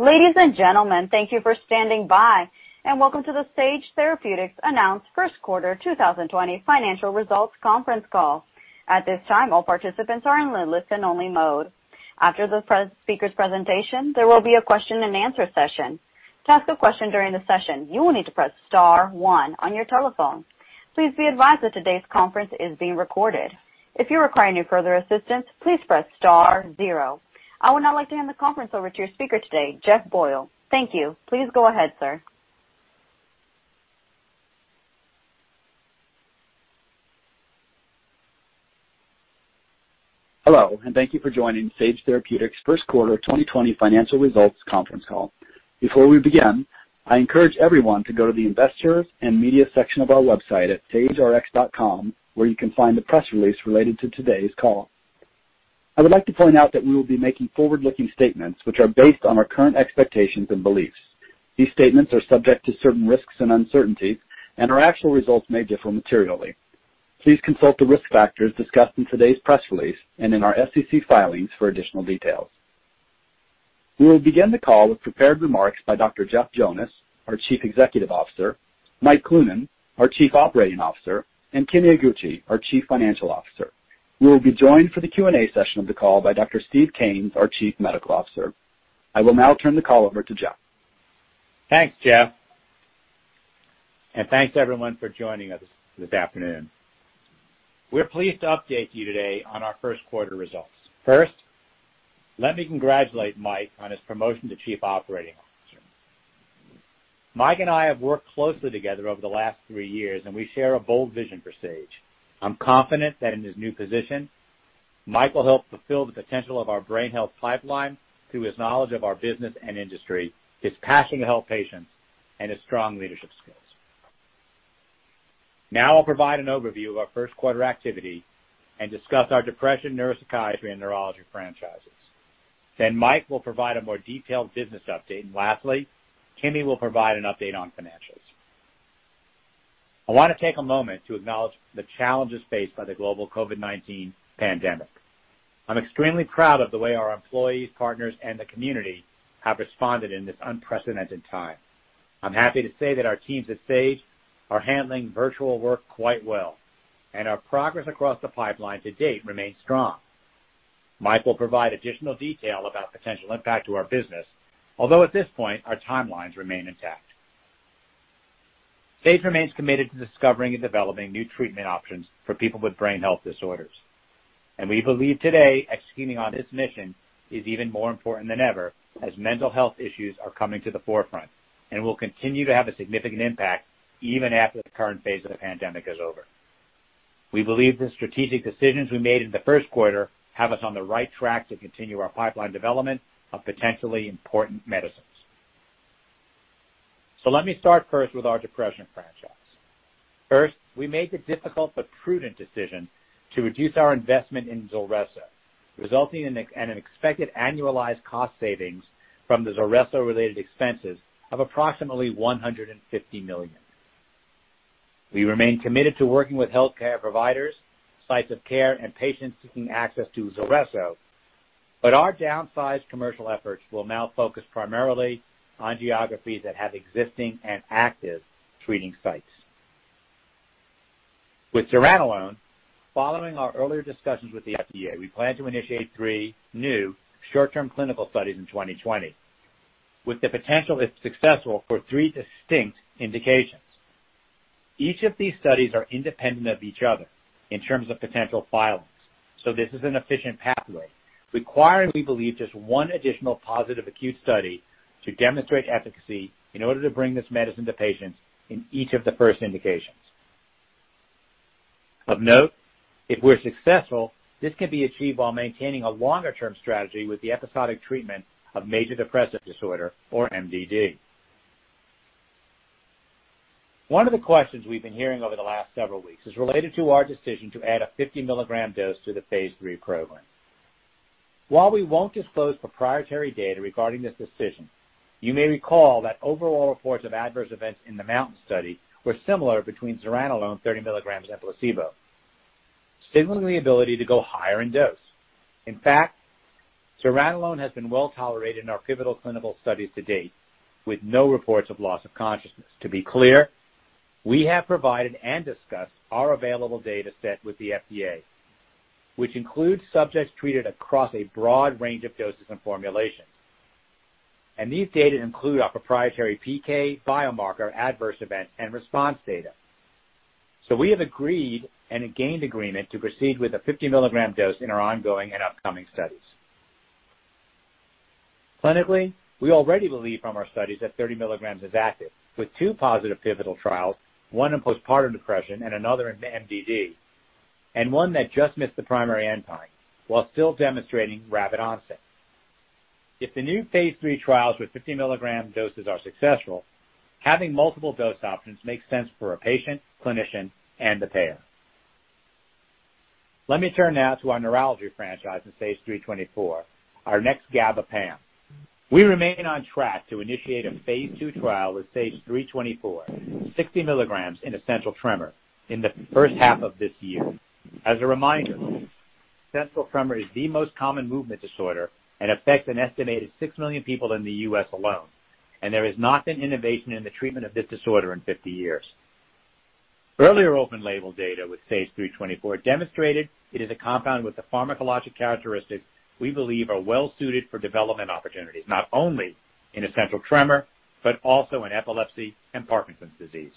Ladies and gentlemen, thank you for standing by. Welcome to the Sage Therapeutics Announced Q1 2020 Financial Results Conference Call. At this time, all participants are in listen only mode. After the speaker's presentation, there will be a question and answer session. To ask a question during the session, you will need to press star one on your telephone. Please be advised that today's conference is being recorded. If you require any further assistance, please press star zero. I would now like to hand the conference over to your speaker today, Jeff Boyle. Thank you. Please go ahead, sir. Hello, thank you for joining Sage Therapeutics' Q1 2020 Financial Results Conference Call. Before we begin, I encourage everyone to go to the Investors and Media section of our website at sagerx.com, where you can find the press release related to today's call. I would like to point out that we will be making forward-looking statements which are based on our current expectations and beliefs. These statements are subject to certain risks and uncertainties, our actual results may differ materially. Please consult the risk factors discussed in today's press release and in our SEC filings for additional details. We will begin the call with prepared remarks by Dr. Jeff Jonas, our Chief Executive Officer, Mike Cloonan, our Chief Operating Officer, and Kimi Iguchi, our Chief Financial Officer. We will be joined for the Q&A session of the call by Dr. Steve Kanes, our Chief Medical Officer. I will now turn the call over to Jeff. Thanks, Jeff, thanks everyone for joining us this afternoon. We're pleased to update you today on our Q1 results. First, let me congratulate Mike on his promotion to Chief Operating Officer. Mike and I have worked closely together over the last three years, and we share a bold vision for Sage. I'm confident that in his new position, Mike will help fulfill the potential of our brain health pipeline through his knowledge of our business and industry, his passion to help patients, and his strong leadership skills. Now I'll provide an overview of our Q1 activity and discuss our depression, neuropsychiatry, and neurology franchises. Mike will provide a more detailed business update. Lastly, Kimi will provide an update on financials. I want to take a moment to acknowledge the challenges faced by the global COVID-19 pandemic. I'm extremely proud of the way our employees, partners, and the community have responded in this unprecedented time. I'm happy to say that our teams at Sage are handling virtual work quite well, and our progress across the pipeline to date remains strong. Mike will provide additional detail about potential impact to our business, although at this point, our timelines remain intact. Sage remains committed to discovering and developing new treatment options for people with brain health disorders. We believe today executing on this mission is even more important than ever, as mental health issues are coming to the forefront and will continue to have a significant impact even after the current phase of the pandemic is over. We believe the strategic decisions we made in the Q1 have us on the right track to continue our pipeline development of potentially important medicines. Let me start first with our depression franchise. We made the difficult but prudent decision to reduce our investment in ZULRESSO, resulting in an expected annualized cost savings from the ZULRESSO related expenses of approximately $150 million. We remain committed to working with healthcare providers, sites of care, and patients seeking access to ZULRESSO, but our downsized commercial efforts will now focus primarily on geographies that have existing and active treating sites. With zuranolone, following our earlier discussions with the FDA, we plan to initiate three new short-term clinical studies in 2020, with the potential, if successful, for three distinct indications. Each of these studies are independent of each other in terms of potential filings, so this is an efficient pathway requiring, we believe, just one additional positive acute study to demonstrate efficacy in order to bring this medicine to patients in each of the first indications. Of note, if we're successful, this can be achieved while maintaining a longer-term strategy with the episodic treatment of major depressive disorder or MDD. One of the questions we've been hearing over the last several weeks is related to our decision to add a 50 mg dose to the phase III program. While we won't disclose proprietary data regarding this decision, you may recall that overall reports of adverse events in the MOUNTAIN study were similar between zuranolone 30 mg and placebo, signaling the ability to go higher in dose. In fact, zuranolone has been well tolerated in our pivotal clinical studies to date, with no reports of loss of consciousness. To be clear, we have provided and discussed our available data set with the FDA, which includes subjects treated across a broad range of doses and formulations. These data include our proprietary PK biomarker adverse event and response data. We have agreed and gained agreement to proceed with a 50 mg dose in our ongoing and upcoming studies. Clinically, we already believe from our studies that 30 mg is active, with two positive pivotal trials, one in postpartum depression and another in MDD, and one that just missed the primary endpoint while still demonstrating rapid onset. If the new phase III trials with 50 mg doses are successful, having multiple dose options makes sense for a patient, clinician, and the payer. Let me turn now to our neurology franchise and SAGE-324, our next gabapentinoid. We remain on track to initiate a phase II trial with SAGE-324 60 mg in essential tremor in the H1 of this year. As a reminder, Essential tremor is the most common movement disorder and affects an estimated 6 million people in the U.S. alone, and there has not been innovation in the treatment of this disorder in 50 years. Earlier open-label data with SAGE-324 demonstrated it is a compound with the pharmacologic characteristics we believe are well-suited for development opportunities, not only in essential tremor, but also in epilepsy and Parkinson's disease.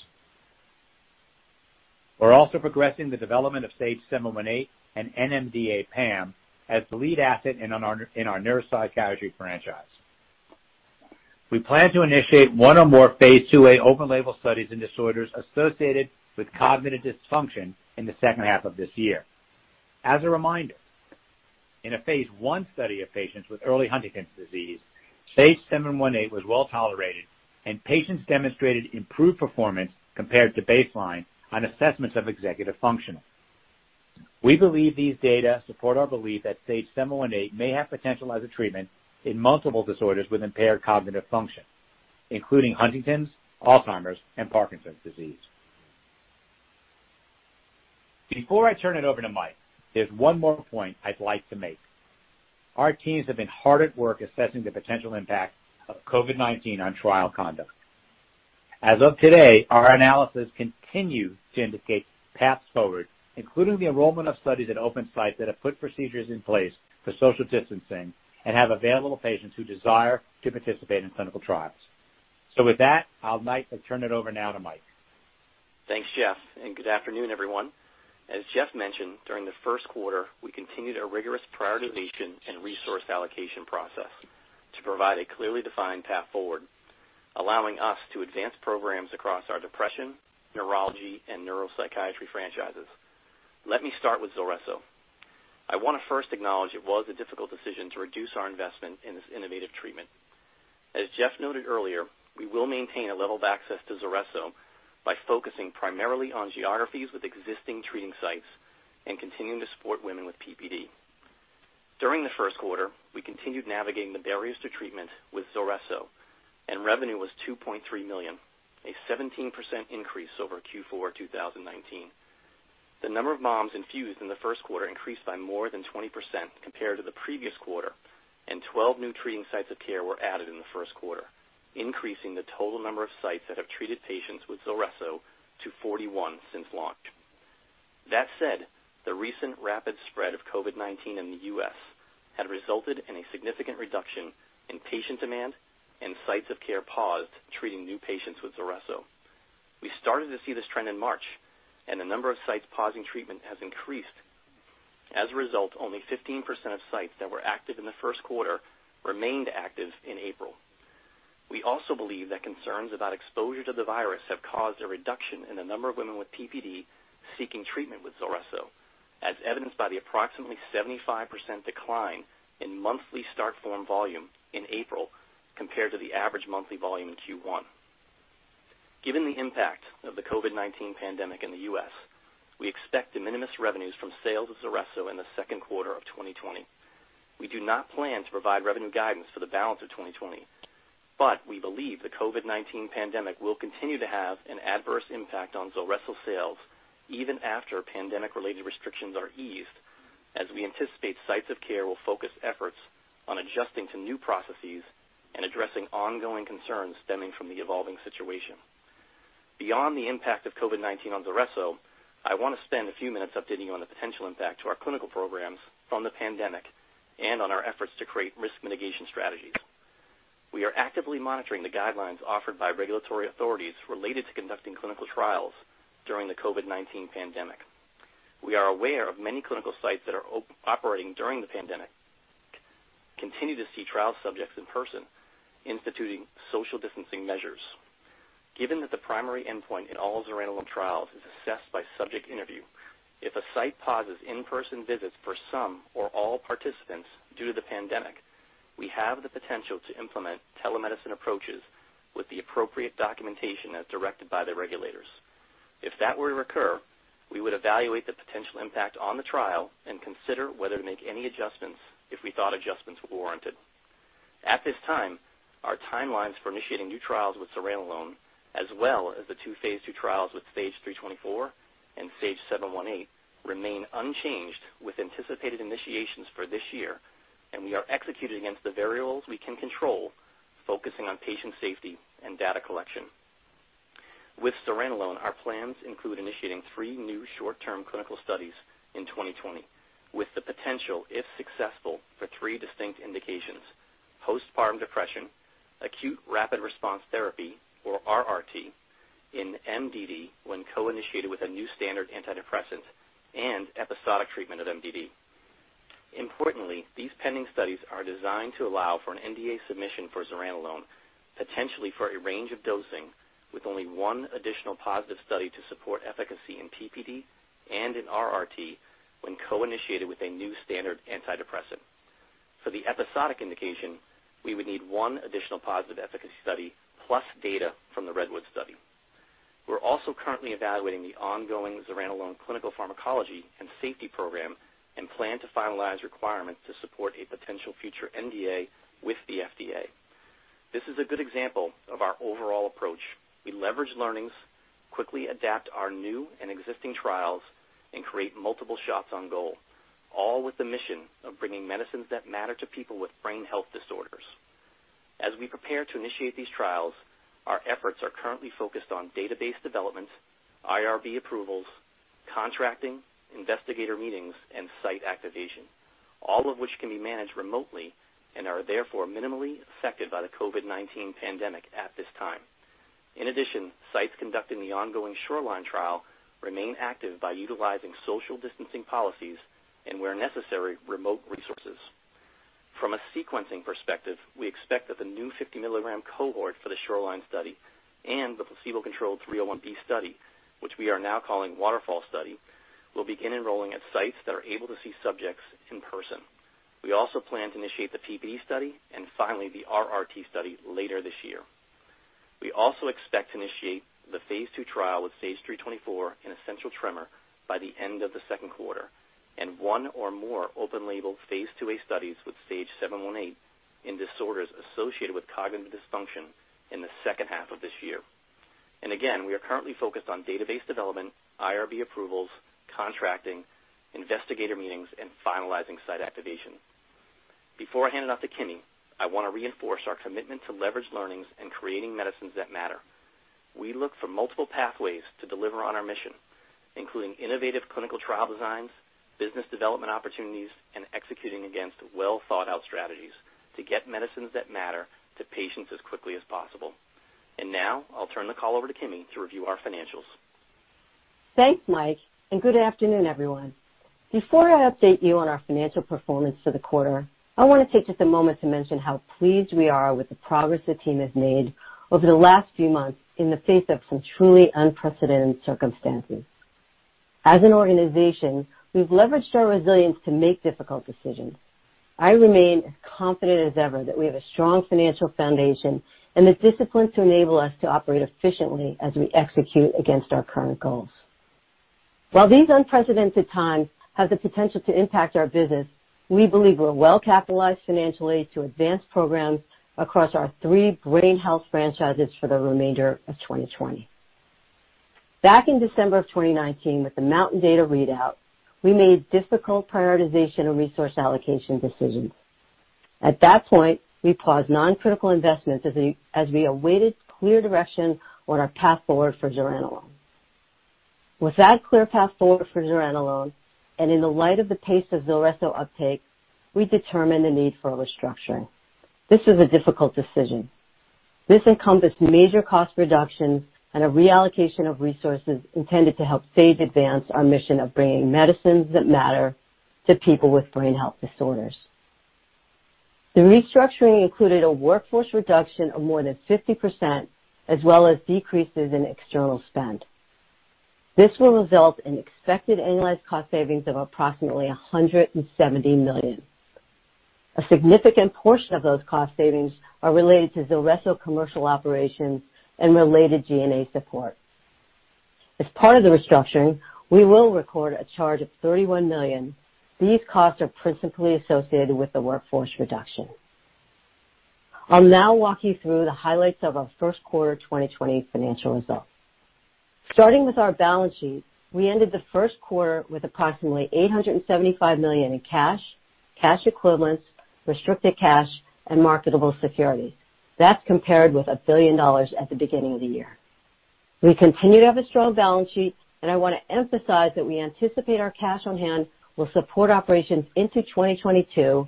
We're also progressing the development of SAGE-718, an NMDA-PAM, as the lead asset in our neuropsychiatry franchise. We plan to initiate one or more phase IIa open-label studies in disorders associated with cognitive dysfunction in the H2 of this year. As a reminder, in a phase I study of patients with early Huntington's disease, SAGE-718 was well-tolerated, and patients demonstrated improved performance compared to baseline on assessments of executive functioning. We believe these data support our belief that SAGE-718 may have potential as a treatment in multiple disorders with impaired cognitive function, including Huntington's, Alzheimer's, and Parkinson's disease. Before I turn it over to Mike, there's one more point I'd like to make. Our teams have been hard at work assessing the potential impact of COVID-19 on trial conduct. As of today, our analysis continue to indicate paths forward, including the enrollment of studies at open sites that have put procedures in place for social distancing and have available patients who desire to participate in clinical trials. With that, I'll turn it over now to Mike. Thanks, Jeff. Good afternoon, everyone. As Jeff mentioned, during the Q1, we continued a rigorous prioritization and resource allocation process to provide a clearly defined path forward, allowing us to advance programs across our depression, neurology, and neuropsychiatry franchises. Let me start with ZULRESSO. I want to first acknowledge it was a difficult decision to reduce our investment in this innovative treatment. As Jeff noted earlier, we will maintain a level of access to ZULRESSO by focusing primarily on geographies with existing treating sites and continuing to support women with PPD. During the Q1, we continued navigating the barriers to treatment with ZULRESSO, and revenue was $2.3 million, a 17% increase over Q4 2019. The number of moms infused in the Q1 increased by more than 20% compared to the previous quarter, and 12 new treating sites of care were added in the Q1, increasing the total number of sites that have treated patients with ZULRESSO to 41 since launch. That said, the recent rapid spread of COVID-19 in the U.S. had resulted in a significant reduction in patient demand and sites of care paused treating new patients with ZULRESSO. We started to see this trend in March, and the number of sites pausing treatment has increased. As a result, only 15% of sites that were active in the Q1 remained active in April. We also believe that concerns about exposure to the virus have caused a reduction in the number of women with PPD seeking treatment with ZULRESSO, as evidenced by the approximately 75% decline in monthly start form volume in April compared to the average monthly volume in Q1. Given the impact of the COVID-19 pandemic in the U.S., we expect de minimis revenues from sales of ZULRESSO in the Q2 of 2020. We do not plan to provide revenue guidance for the balance of 2020, but we believe the COVID-19 pandemic will continue to have an adverse impact on ZULRESSO sales even after pandemic-related restrictions are eased, as we anticipate sites of care will focus efforts on adjusting to new processes and addressing ongoing concerns stemming from the evolving situation. Beyond the impact of COVID-19 on ZULRESSO, I want to spend a few minutes updating you on the potential impact to our clinical programs from the pandemic and on our efforts to create risk mitigation strategies. We are actively monitoring the guidelines offered by regulatory authorities related to conducting clinical trials during the COVID-19 pandemic. We are aware of many clinical sites that are operating during the pandemic, continue to see trial subjects in person, instituting social distancing measures. Given that the primary endpoint in all zuranolone trials is assessed by subject interview, if a site pauses in-person visits for some or all participants due to the pandemic, we have the potential to implement telemedicine approaches with the appropriate documentation as directed by the regulators. If that were to occur, we would evaluate the potential impact on the trial and consider whether to make any adjustments if we thought adjustments were warranted. At this time, our timelines for initiating new trials with zuranolone, as well as the two phase II trials with SAGE-324 and SAGE-718 remain unchanged with anticipated initiations for this year, and we are executing against the variables we can control, focusing on patient safety and data collection. With zuranolone, our plans include initiating three new short-term clinical studies in 2020 with the potential, if successful, for three distinct indications; postpartum depression, acute rapid response therapy, or RRT, in MDD when co-initiated with a new standard antidepressant, and episodic treatment of MDD. Importantly, these pending studies are designed to allow for an NDA submission for zuranolone, potentially for a range of dosing with only one additional positive study to support efficacy in PPD and in RRT when co-initiated with a new standard antidepressant. For the episodic indication, we would need one additional positive efficacy study plus data from the REDWOOD study. We are also currently evaluating the ongoing zuranolone clinical pharmacology and safety program and plan to finalize requirements to support a potential future NDA with the FDA. This is a good example of our overall approach. We leverage learnings, quickly adapt our new and existing trials, and create multiple shots on goal, all with the mission of bringing medicines that matter to people with brain health disorders. As we prepare to initiate these trials, our efforts are currently focused on database developments, IRB approvals, contracting, investigator meetings, and site activation, all of which can be managed remotely and are therefore minimally affected by the COVID-19 pandemic at this time. In addition, sites conducting the ongoing SHORELINE trial remain active by utilizing social distancing policies and, where necessary, remote resources. From a sequencing perspective, we expect that the new 50 mg cohort for the SHORELINE study and the placebo-controlled 301B study, which we are now calling WATERFALL Study, will begin enrolling at sites that are able to see subjects in person. We also plan to initiate the PPD study and finally the RRT study later this year. We also expect to initiate the phase II trial with SAGE-324 in essential tremor by the end of the Q2 and one or more open label phase IIa studies with SAGE-718 in disorders associated with cognitive dysfunction in the H2 of this year. Again, we are currently focused on database development, IRB approvals, contracting, investigator meetings, and finalizing site activation. Before I hand it off to Kimi, I want to reinforce our commitment to leverage learnings and creating medicines that matter. We look for multiple pathways to deliver on our mission, including innovative clinical trial designs, business development opportunities, and executing against well-thought-out strategies to get medicines that matter to patients as quickly as possible. Now I'll turn the call over to Kimi to review our financials. Thanks, Mike. Good afternoon, everyone. Before I update you on our financial performance for the quarter, I want to take just a moment to mention how pleased we are with the progress the team has made over the last few months in the face of some truly unprecedented circumstances. As an organization, we've leveraged our resilience to make difficult decisions. I remain as confident as ever that we have a strong financial foundation and the discipline to enable us to operate efficiently as we execute against our current goals. While these unprecedented times have the potential to impact our business, we believe we're well-capitalized financially to advance programs across our three brain health franchises for the remainder of 2020. Back in December of 2019 with the MOUNTAIN data readout, we made difficult prioritization and resource allocation decisions. At that point, we paused non-critical investments as we awaited clear direction on our path forward for zuranolone. With that clear path forward for zuranolone, and in the light of the pace of ZULRESSO uptake, we determined the need for a restructuring. This was a difficult decision. This encompassed major cost reductions and a reallocation of resources intended to help Sage advance our mission of bringing medicines that matter to people with brain health disorders. The restructuring included a workforce reduction of more than 50%, as well as decreases in external spend. This will result in expected annualized cost savings of approximately $170 million. A significant portion of those cost savings are related to ZULRESSO commercial operations and related G&A support. As part of the restructuring, we will record a charge of $31 million. These costs are principally associated with the workforce reduction. I'll now walk you through the highlights of our Q1 2020 financial results. Starting with our balance sheet, we ended the Q1 with approximately $875 million in cash equivalents, restricted cash, and marketable securities. That's compared with $1 billion at the beginning of the year. We continue to have a strong balance sheet, and I want to emphasize that we anticipate our cash on hand will support operations into 2022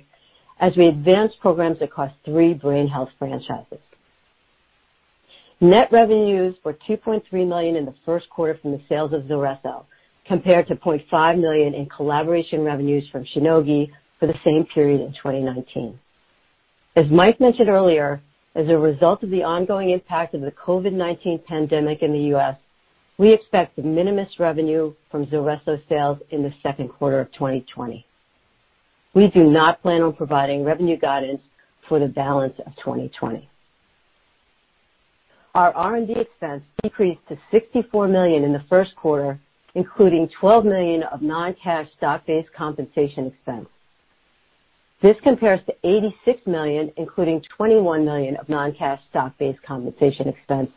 as we advance programs across three brain health franchises. Net revenues were $2.3 million in the Q1 from the sales of ZULRESSO, compared to $0.5 million in collaboration revenues from Shionogi for the same period in 2019. As Mike mentioned earlier, as a result of the ongoing impact of the COVID-19 pandemic in the U.S., we expect de minimis revenue from ZULRESSO sales in the Q2 of 2020. We do not plan on providing revenue guidance for the balance of 2020. Our R&D expense decreased to $64 million in the Q1, including $12 million of non-cash stock-based compensation expense. This compares to $86 million, including $21 million of non-cash stock-based compensation expense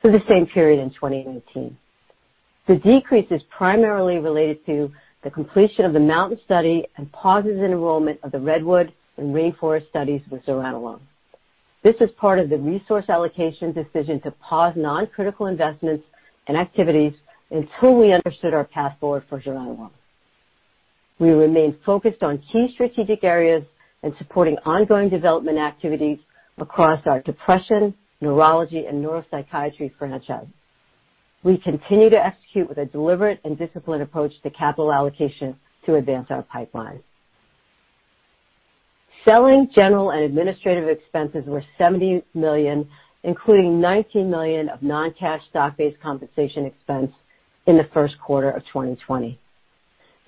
for the same period in 2019. The decrease is primarily related to the completion of the MOUNTAIN study and pauses in enrollment of the REDWOOD and RAINFOREST studies with zuranolone. This is part of the resource allocation decision to pause non-critical investments and activities until we understood our path forward for zuranolone. We remain focused on key strategic areas and supporting ongoing development activities across our depression, neurology, and neuropsychiatry franchise. We continue to execute with a deliberate and disciplined approach to capital allocation to advance our pipeline. Selling, general, and administrative expenses were $70 million, including $19 million of non-cash stock-based compensation expense in the Q1 of 2020.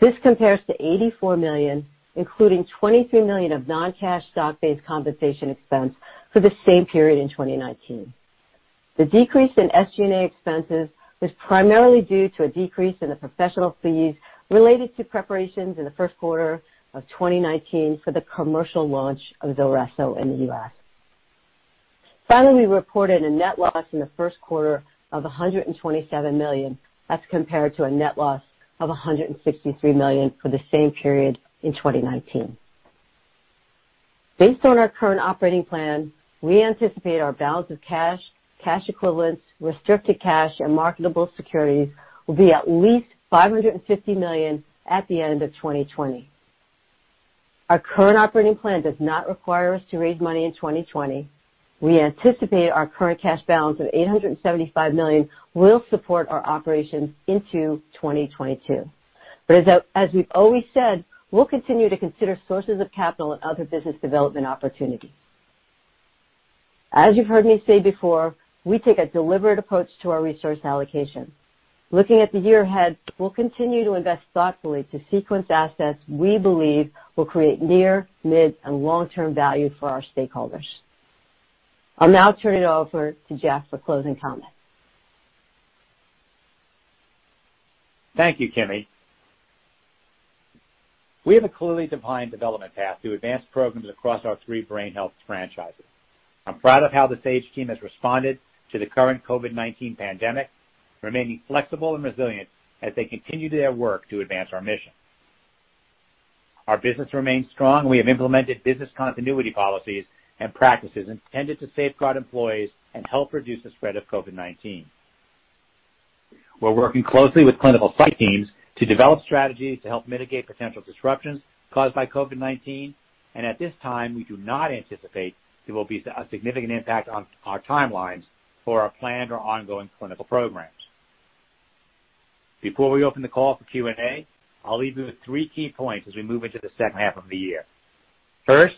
This compares to $84 million, including $23 million of non-cash stock-based compensation expense for the same period in 2019. The decrease in SG&A expenses was primarily due to a decrease in the professional fees related to preparations in the Q1 of 2019 for the commercial launch of ZULRESSO in the U.S. Finally, we reported a net loss in the Q1 of $127 million. That's compared to a net loss of $163 million for the same period in 2019. Based on our current operating plan, we anticipate our balance of cash equivalents, restricted cash and marketable securities will be at least $550 million at the end of 2020. Our current operating plan does not require us to raise money in 2020. We anticipate our current cash balance of $875 million will support our operations into 2022. As we've always said, we'll continue to consider sources of capital and other business development opportunities. As you've heard me say before, we take a deliberate approach to our resource allocation. Looking at the year ahead, we'll continue to invest thoughtfully to sequence assets we believe will create near, mid, and long-term value for our stakeholders. I'll now turn it over to Jeff for closing comments. Thank you, Kimi. We have a clearly defined development path to advance programs across our three brain health franchises. I'm proud of how the Sage team has responded to the current COVID-19 pandemic, remaining flexible and resilient as they continue their work to advance our mission. Our business remains strong. We have implemented business continuity policies and practices intended to safeguard employees and help reduce the spread of COVID-19. We're working closely with clinical site teams to develop strategies to help mitigate potential disruptions caused by COVID-19. At this time, we do not anticipate there will be a significant impact on our timelines for our planned or ongoing clinical programs. Before we open the call for Q&A, I'll leave you with three key points as we move into the H2 of the year. First,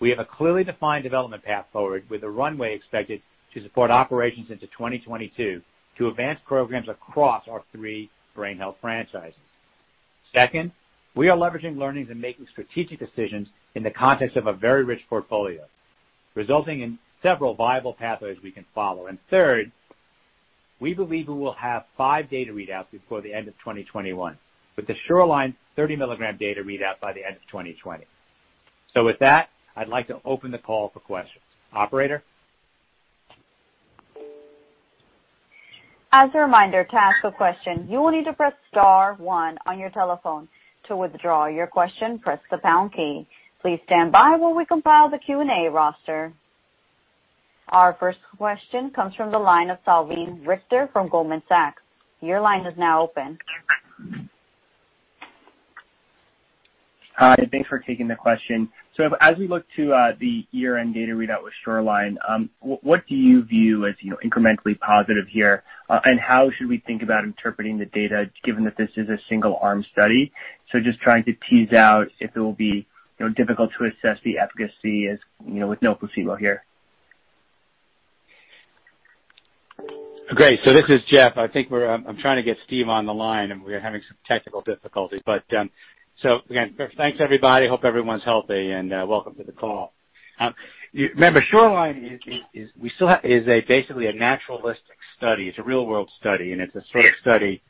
we have a clearly defined development path forward with a runway expected to support operations into 2022 to advance programs across our three brain health franchises. Second, we are leveraging learnings and making strategic decisions in the context of a very rich portfolio, resulting in several viable pathways we can follow. Third, we believe we will have five data readouts before the end of 2021, with the SHORELINE 30 mg data readout by the end of 2020. With that, I'd like to open the call for questions. Operator? As a reminder, to ask a question, you will need to press star one on your telephone. To withdraw your question, press the pound key. Please stand by while we compile the Q&A roster. Our first question comes from the line of Salveen Richter from Goldman Sachs. Your line is now open. Hi, thanks for taking the question. As we look to the year-end data readout with SHORELINE, what do you view as incrementally positive here? How should we think about interpreting the data given that this is a single-arm study? Just trying to tease out if it will be difficult to assess the efficacy with no placebo here. Great. This is Jeff. I'm trying to get Steve on the line, and we are having some technical difficulties. Again, thanks everybody, hope everyone's healthy, and welcome to the call. Remember, SHORELINE is basically a naturalistic study. It's a real world study, and it's a sort of study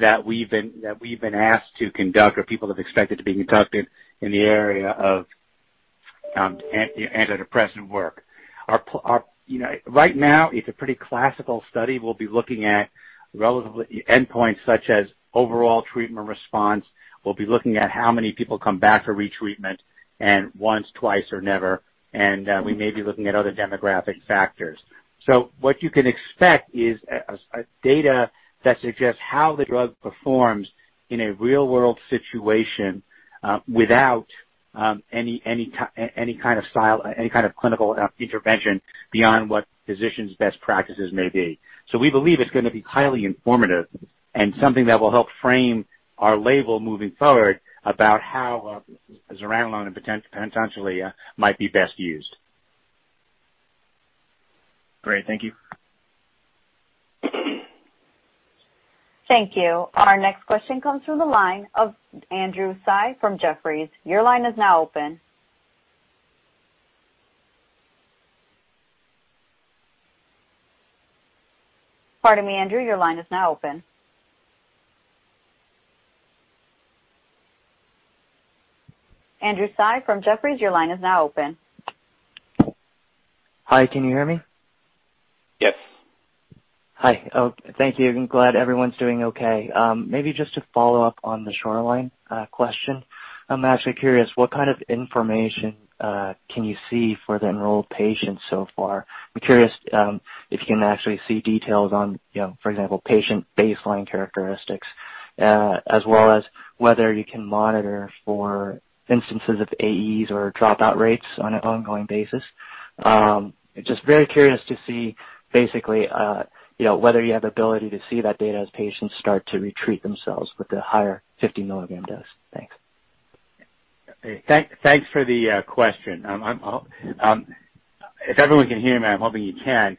that we've been asked to conduct or people have expected to be conducted in the area of antidepressant work. Right now, it's a pretty classical study. We'll be looking at endpoints such as overall treatment response. We'll be looking at how many people come back for retreatment, and once, twice or never, and we may be looking at other demographic factors. What you can expect is data that suggests how the drug performs in a real-world situation without any kind of clinical intervention beyond what physicians' best practices may be. We believe it's going to be highly informative and something that will help frame our label moving forward about how zuranolone potentially might be best used. Great. Thank you. Thank you. Our next question comes from the line of Andrew Tsai from Jefferies. Your line is now open. Pardon me, Andrew, your line is now open. Andrew Tsai from Jefferies, your line is now open. Hi, can you hear me? Yes. Hi. Thank you. I'm glad everyone's doing okay. Maybe just to follow up on the SHORELINE question. I'm actually curious what kind of information can you see for the enrolled patients so far? I'm curious if you can actually see details on, for example, patient baseline characteristics, as well as whether you can monitor for instances of AEs or dropout rates on an ongoing basis. Just very curious to see basically whether you have the ability to see that data as patients start to re-treat themselves with the higher 50 mg dose. Thanks. Thanks for the question. If everyone can hear me, I'm hoping you can.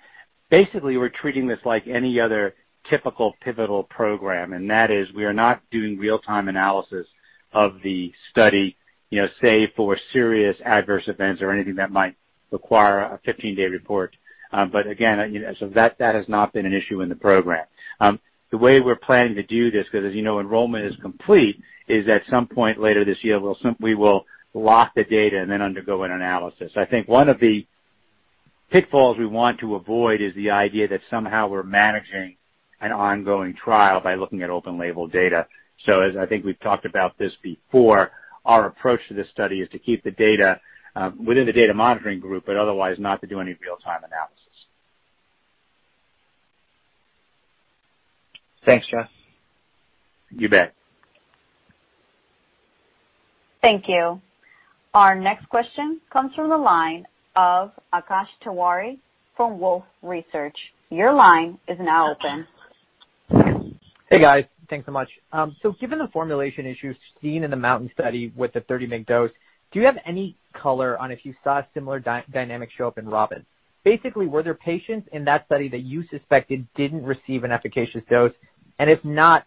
We're treating this like any other typical pivotal program, and that is we are not doing real-time analysis of the study, save for serious adverse events or anything that might require a 15-day report. Again, that has not been an issue in the program. The way we're planning to do this, because as you know, enrollment is complete, is at some point later this year, we will lock the data and then undergo an analysis. I think one of the pitfalls we want to avoid is the idea that somehow we're managing an ongoing trial by looking at open label data. As I think we've talked about this before, our approach to this study is to keep the data within the data monitoring group, but otherwise not to do any real-time analysis. Thanks, Jeff. You bet. Thank you. Our next question comes from the line of Akash Tewari from Wolfe Research. Your line is now open. Hey, guys. Thanks so much. Given the formulation issues seen in the MOUNTAIN study with the 30 mg dose, do you have any color on if you saw a similar dynamic show up in ROBIN? Basically, were there patients in that study that you suspected didn't receive an efficacious dose? And if not,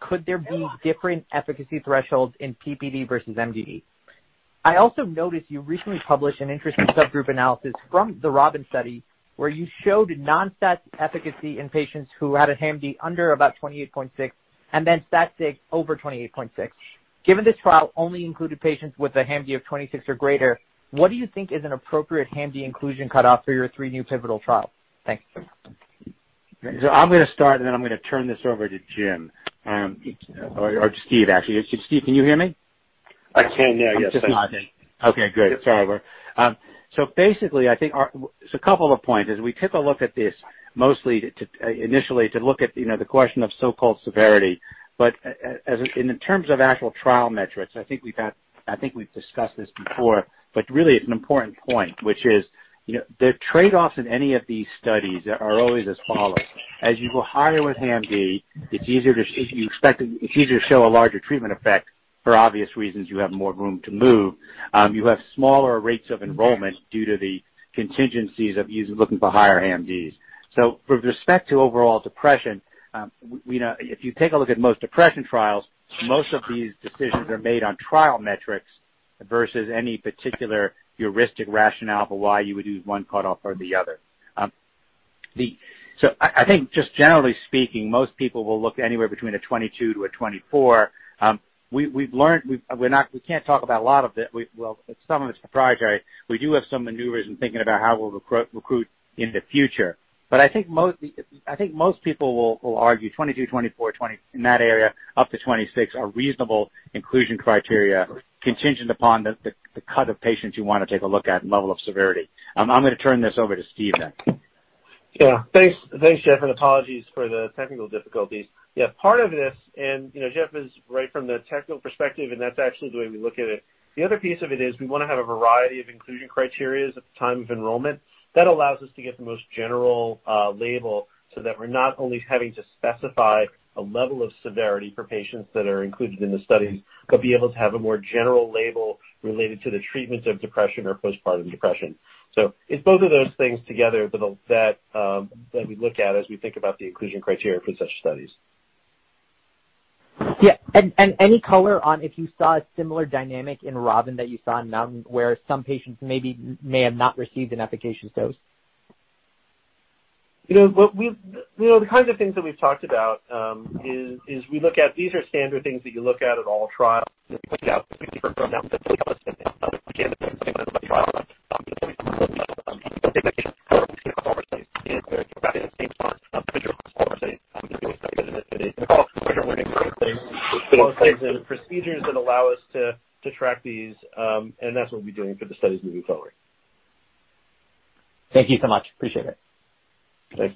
could there be different efficacy thresholds in PPD versus MDD? I also noticed you recently published an interesting subgroup analysis from the ROBIN study where you showed non-stat efficacy in patients who had a HAMD under about 28.6 and then stat sig over 28.6. Given this trial only included patients with a HAMD of 26 or greater, what do you think is an appropriate HAMD inclusion cutoff for your three new pivotal trials? Thanks so much. I'm going to start, and then I'm going to turn this over to Jim, or Steve, actually. Steve, can you hear me? I can, yeah. Yes. Okay, good. Sorry about that. I think there's a couple of points. As we took a look at this, mostly initially to look at the question of so-called severity. In terms of actual trial metrics, I think we've discussed this before, but really it's an important point, which is the trade-offs in any of these studies are always as follows. As you go higher with HAMD, it's easier to show a larger treatment effect. For obvious reasons, you have more room to move. You have smaller rates of enrollment due to the contingencies of looking for higher HAMDs. With respect to overall depression, if you take a look at most depression trials, most of these decisions are made on trial metrics versus any particular heuristic rationale for why you would use one cutoff or the other. I think just generally speaking, most people will look anywhere between a 22-24. We can't talk about a lot of it. Some of it's proprietary. We do have some maneuvers in thinking about how we'll recruit in the future. I think most people will argue 22, 24, in that area up to 26 are reasonable inclusion criteria contingent upon the cut of patients you want to take a look at and level of severity. I'm going to turn this over to Steve. Thanks, Jeff, apologies for the technical difficulties. Part of this, Jeff is right from the technical perspective, that's actually the way we look at it. The other piece of it is we want to have a variety of inclusion criteria at the time of enrollment. That allows us to get the most general label so that we're not only having to specify a level of severity for patients that are included in the studies, but be able to have a more general label related to the treatment of depression or postpartum depression. It's both of those things together that we look at as we think about the inclusion criteria for such studies. Yeah. Any color on if you saw a similar dynamic in ROBIN that you saw in MOUNTAIN where some patients may have not received an efficacious dose? The kinds of things that we've talked about is we look at these are standard things that you look at all trials, procedures that allow us to track these, and that's what we'll be doing for the studies moving forward. Thank you so much. Appreciate it. Thanks.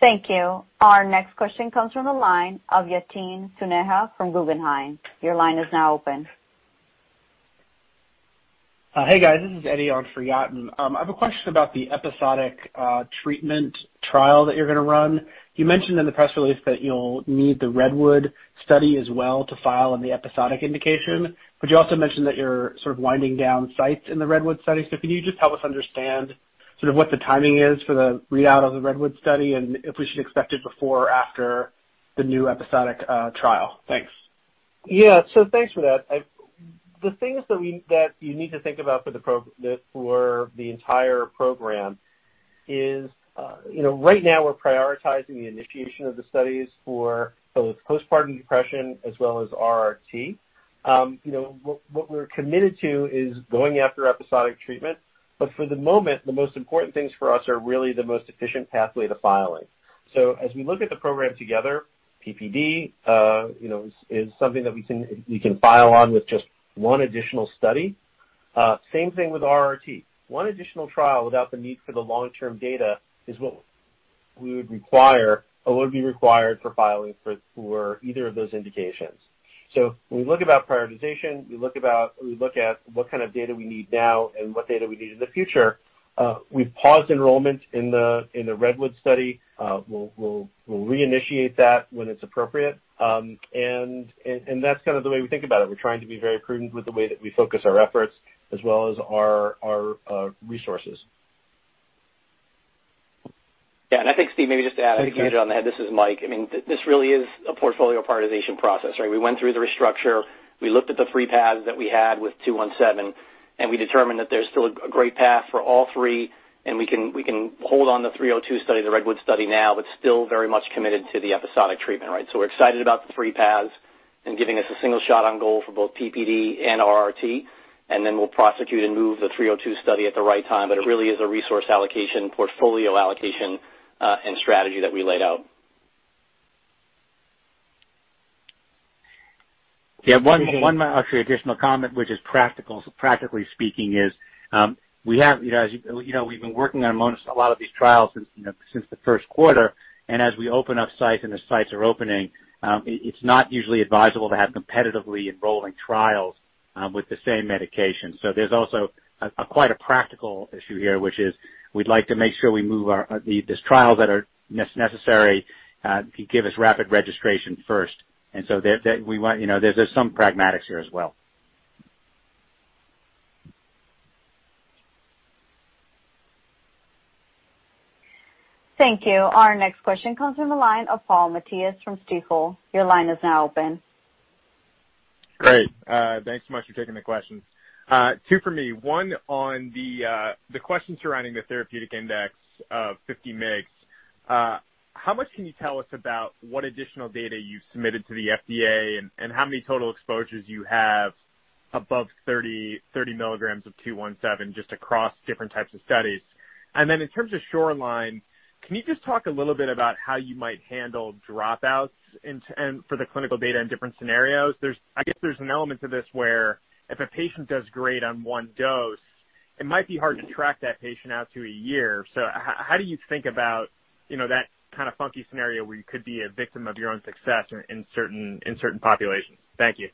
Thank you. Our next question comes from the line of Yatin Suneja from Guggenheim. Your line is now open. Hey, guys. This is Eddie on for Yatin. I have a question about the episodic treatment trial that you're going to run. You mentioned in the press release that you'll need the REDWOOD study as well to file in the episodic indication. You also mentioned that you're sort of winding down sites in the REDWOOD study. Can you just help us understand sort of what the timing is for the readout of the REDWOOD study and if we should expect it before or after the new episodic trial? Thanks. Yeah. Thanks for that. The things that you need to think about for the entire program is right now we're prioritizing the initiation of the studies for both postpartum depression as well as RRT. What we're committed to is going after episodic treatment. For the moment, the most important things for us are really the most efficient pathway to filing. As we look at the program together, PPD is something that we can file on with just one additional study. Same thing with RRT. One additional trial without the need for the long-term data is what we would require or would be required for filing for either of those indications. When we look about prioritization, we look at what kind of data we need now and what data we need in the future. We've paused enrollment in the REDWOOD study. We'll reinitiate that when it's appropriate, and that's kind of the way we think about it. We're trying to be very prudent with the way that we focus our efforts as well as our resources. Yeah, and I think, Steve, maybe just to add- To what you said on that. This is Mike. This really is a portfolio prioritization process, right? We went through the restructure. We looked at the three paths that we had with SAGE-217, and we determined that there's still a great path for all three, and we can hold on the 302 study, the REDWOOD study now, Still very much committed to the episodic treatment, right? We're excited about the three paths and giving us a single shot on goal for both PPD and RRT, and then we'll prosecute and move the 302 study at the right time. It really is a resource allocation, portfolio allocation, and strategy that we laid out. Yeah. One actually additional comment, which is practical. Practically speaking is, we've been working on a lot of these trials since the Q1, and as we open up sites and the sites are opening, it's not usually advisable to have competitively enrolling trials with the same medication. There's also quite a practical issue here, which is we'd like to make sure we move these trials that are necessary, could give us rapid registration first. There's some pragmatics here as well. Thank you. Our next question comes from the line of Paul Matteis from Stifel. Your line is now open. Great. Thanks so much for taking the questions. Two for me. One on the question surrounding the therapeutic index of 50 mg. How much can you tell us about what additional data you've submitted to the FDA and how many total exposures you have above 30 mg of 217 just across different types of studies? Then in terms of SHORELINE, can you just talk a little bit about how you might handle dropouts for the clinical data in different scenarios? I guess there's an element to this where if a patient does great on one dose, it might be hard to track that patient out to a year. How do you think about that kind of funky scenario where you could be a victim of your own success in certain populations? Thank you.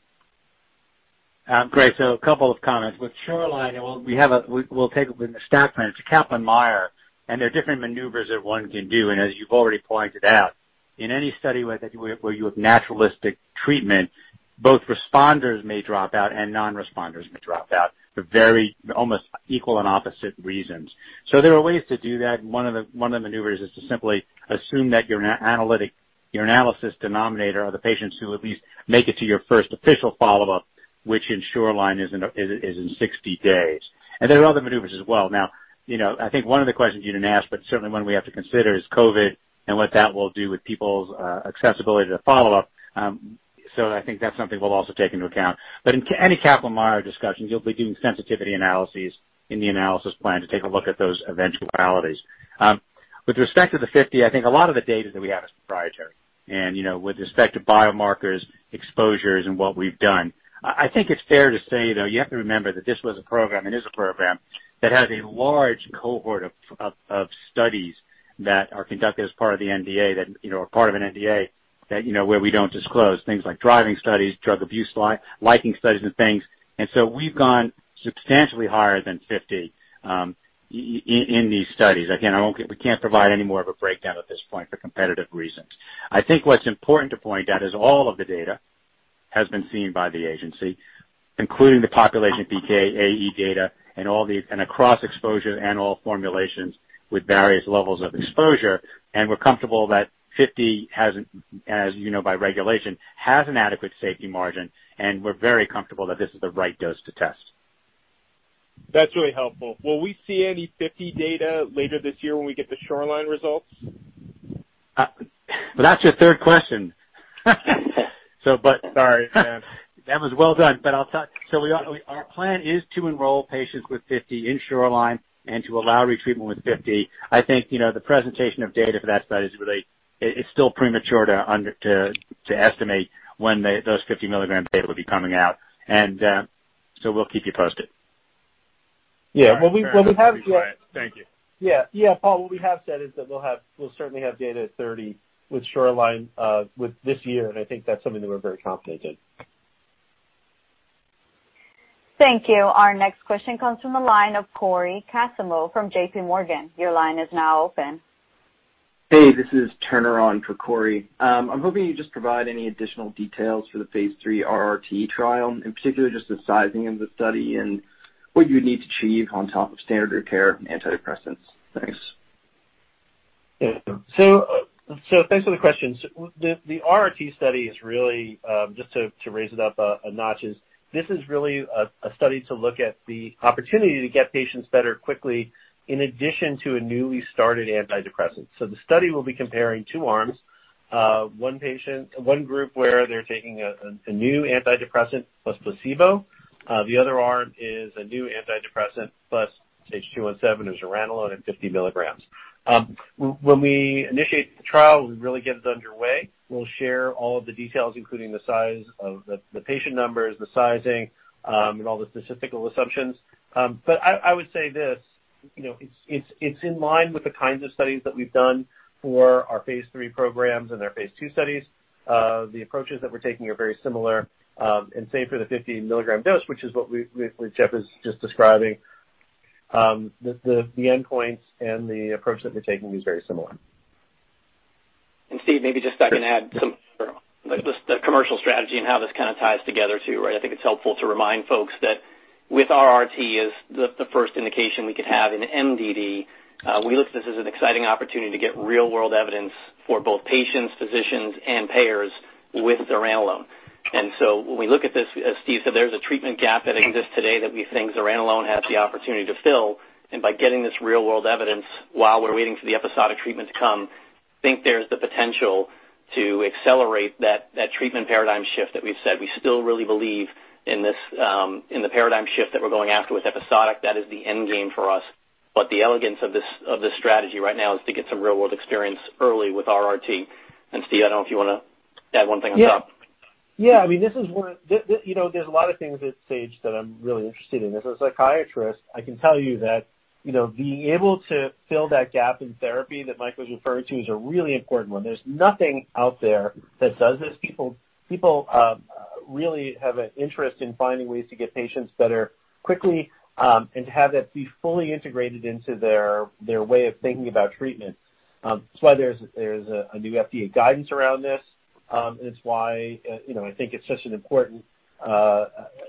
Great. A couple of comments. With SHORELINE, we'll take it with an assessment. It's a Kaplan-Meier. There are different maneuvers that one can do. As you've already pointed out, in any study where you have naturalistic treatment, both responders may drop out and non-responders may drop out for very almost equal and opposite reasons. There are ways to do that. One of the maneuvers is to simply assume that your analysis denominator are the patients who at least make it to your first official follow-up, which in SHORELINE is in 60 days. There are other maneuvers as well. I think one of the questions you didn't ask, but certainly one we have to consider, is COVID-19 and what that will do with people's accessibility to follow-up. I think that's something we'll also take into account. In any Kaplan-Meier discussion, you'll be doing sensitivity analyses in the analysis plan to take a look at those eventualities. With respect to the 50, I think a lot of the data that we have is proprietary. With respect to biomarkers, exposures, and what we've done, I think it's fair to say, though, you have to remember that this was a program and is a program that has a large cohort of studies that are conducted as part of the NDA, that are part of an NDA, where we don't disclose things like driving studies, drug abuse, liking studies and things. We've gone substantially higher than 50 in these studies. Again, we can't provide any more of a breakdown at this point for competitive reasons. I think what's important to point out is all of the data has been seen by the agency, including the population PK/AE data and across exposure and all formulations with various levels of exposure. We're comfortable that 50, as you know, by regulation, has an adequate safety margin, and we're very comfortable that this is the right dose to test. That's really helpful. Will we see any 50 data later this year when we get the SHORELINE results? Well, that's your third question. Sorry. That was well done. Our plan is to enroll patients with 50 in SHORELINE and to allow retreatment with 50. I think, the presentation of data for that study, it's still premature to estimate when those 50 mg data would be coming out. We'll keep you posted. Yeah. Well. Thank you. Yeah. Paul, what we have said is that we'll certainly have data at 30 with SHORELINE this year, and I think that's something that we're very confident in. Thank you. Our next question comes from the line of Cory Kasimov from JPMorgan. Your line is now open. Hey, this is Turner on for Cory. I'm hoping you just provide any additional details for the phase III RRT trial, in particular, just the sizing of the study and what you would need to achieve on top of standard of care and antidepressants. Thanks. Thanks for the question. The RRT study is really, just to raise it up a notch, this is really a study to look at the opportunity to get patients better quickly in addition to a newly started antidepressant. The study will be comparing two arms. One group where they're taking a new antidepressant plus placebo. The other arm is a new antidepressant plus SAGE-217 or zuranolone at 50 mg. When we initiate the trial, we really get it underway. We'll share all of the details, including the size of the patient numbers, the sizing, and all the statistical assumptions. I would say this. It's in line with the kinds of studies that we've done for our phase III programs and their phase II studies. The approaches that we're taking are very similar, and same for the 50 mg dose, which is what Jeff is just describing. The endpoints and the approach that we're taking is very similar. Steve, maybe I can add some, the commercial strategy and how this kind of ties together, too. I think it's helpful to remind folks that with RRT as the first indication we could have in MDD, we look at this as an exciting opportunity to get real world evidence for both patients, physicians, and payers with zuranolone. When we look at this, as Steve said, there's a treatment gap that exists today that we think zuranolone has the opportunity to fill. By getting this real world evidence while we're waiting for the episodic treatment to come, we think there's the potential to accelerate that treatment paradigm shift that we've said. We still really believe in the paradigm shift that we're going after with episodic. That is the endgame for us. The elegance of this strategy right now is to get some real world experience early with RRT. Steve, I don't know if you want to add one thing on top. Yeah. There's a lot of things at Sage that I'm really interested in. As a psychiatrist, I can tell you that being able to fill that gap in therapy that Mike was referring to is a really important one. There's nothing out there that does this. People really have an interest in finding ways to get patients better quickly, and to have that be fully integrated into their way of thinking about treatment. It's why there's a new FDA guidance around this, and it's why I think it's such an important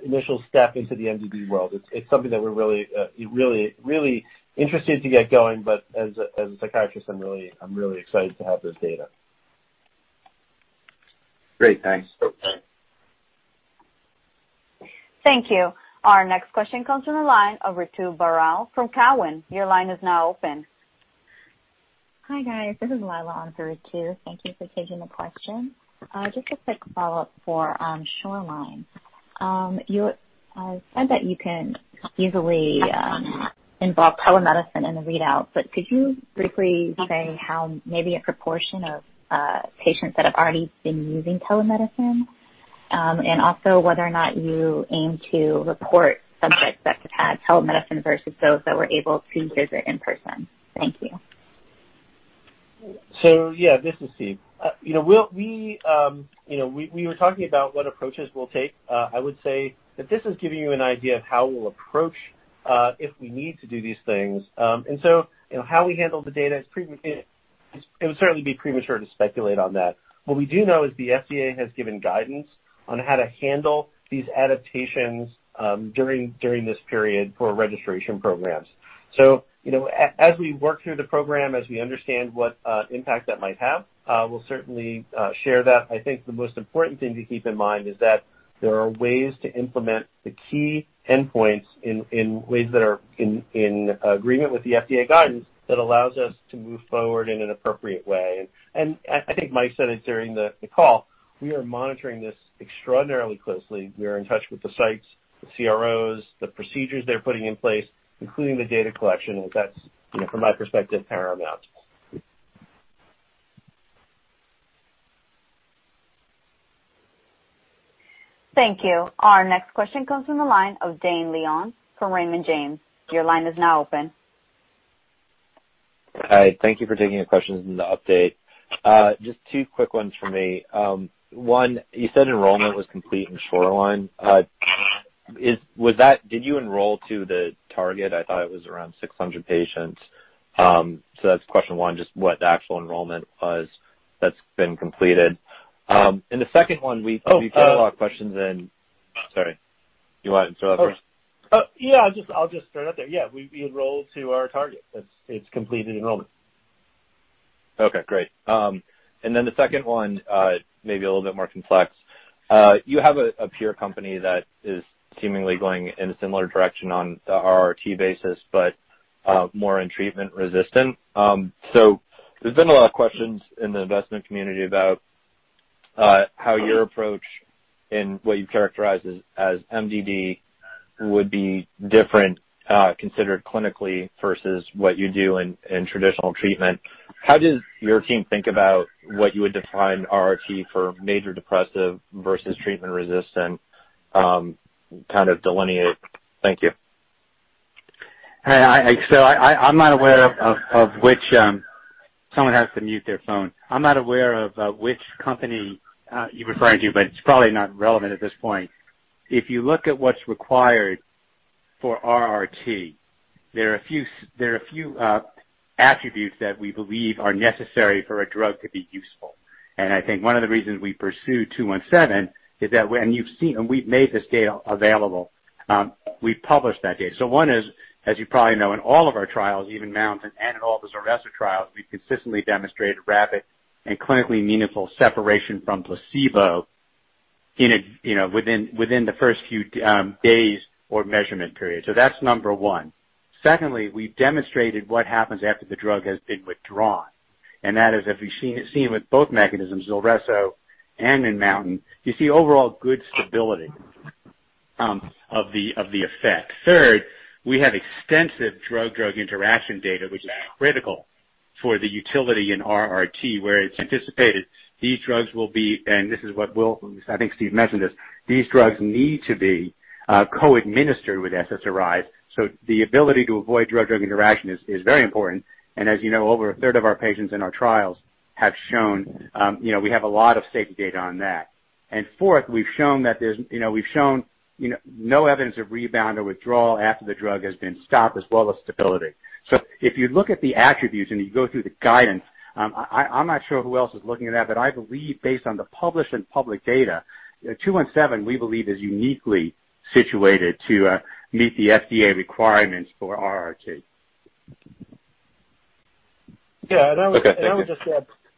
initial step into the MDD world. It's something that we're really interested to get going. As a psychiatrist, I'm really excited to have this data. Great. Thanks. Okay. Thank you. Our next question comes from the line of Ritu Baral from Cowen. Your line is now open. Hi, guys. This is Lila on for Ritu. Thank you for taking the question. Just a quick follow-up for SHORELINE. You had said that you can easily involve telemedicine in the readout, but could you briefly say how maybe a proportion of patients that have already been using telemedicine, and also whether or not you aim to report subjects that have had telemedicine versus those that were able to visit in person? Thank you. Yeah, this is Steve. We were talking about what approaches we'll take. I would say that this is giving you an idea of how we'll approach if we need to do these things. How we handle the data, it would certainly be premature to speculate on that. What we do know is the FDA has given guidance on how to handle these adaptations during this period for registration programs. As we work through the program, as we understand what impact that might have, we'll certainly share that. I think the most important thing to keep in mind is that there are ways to implement the key endpoints in ways that are in agreement with the FDA guidance that allows us to move forward in an appropriate way. I think Mike said it during the call, we are monitoring this extraordinarily closely. We are in touch with the sites, the CROs, the procedures they're putting in place, including the data collection. That's, from my perspective, paramount. Thank you. Our next question comes from the line of Dane Leone from Raymond James. Your line is now open. Hi. Thank you for taking the questions and the update. Just two quick ones from me. One, you said enrollment was complete in SHORELINE. Did you enroll to the target? I thought it was around 600 patients. That's question one, just what the actual enrollment was that's been completed. The second one. We get a lot of questions. Oh, sorry. You want to throw it out first? Yeah. I'll just start out there. Yeah. We enrolled to our target. It's completed enrollment. Okay, great. The second one, maybe a little bit more complex. You have a peer company that is seemingly going in a similar direction on the RRT basis, but more in treatment resistant. There's been a lot of questions in the investment community about how your approach and what you characterize as MDD would be different considered clinically versus what you do in traditional treatment. How does your team think about what you would define RRT for major depressive versus treatment resistant kind of delineate? Thank you. I'm not aware of which. Someone has to mute their phone. I'm not aware of which company you're referring to, but it's probably not relevant at this point. If you look at what's required for RRT, there are a few attributes that we believe are necessary for a drug to be useful. I think one of the reasons we pursue 217 is that when you've seen, and we've made this data available, we published that data. One is, as you probably know, in all of our trials, even MOUNTAIN and in all the ZULRESSO trials, we've consistently demonstrated rapid and clinically meaningful separation from placebo within the first few days or measurement period. That's number 1. Secondly, we've demonstrated what happens after the drug has been withdrawn, and that is, as we've seen with both mechanisms, ZULRESSO and in MOUNTAIN, you see overall good stability of the effect. Third, we have extensive drug-drug interaction data which is critical for the utility in RRT, where it's anticipated these drugs will be, and this is what Will, I think Steve mentioned this, these drugs need to be co-administered with SSRIs. The ability to avoid drug-drug interaction is very important. As you know, over a third of our patients in our trials have shown we have a lot of safety data on that. And fourth, we've shown no evidence of rebound or withdrawal after the drug has been stopped as well as stability. If you look at the attributes and you go through the guidance, I'm not sure who else is looking at that, but I believe based on the published and public data, 217, we believe, is uniquely situated to meet the FDA requirements for RRT. Yeah. Okay. Thank you.